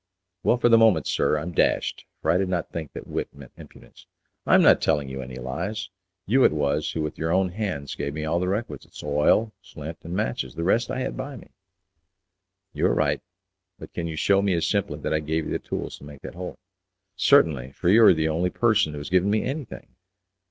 "Well, for the moment, sir, I'm dashed, for I did not think that wit meant impudence." "I am not telling you any lies. You it was who with your own hands gave me all the requisites oil, flint, and matches; the rest I had by me." "You are right; but can you shew me as simply that I gave you the tools to make that hole?" "Certainly, for you are the only person who has given me anything."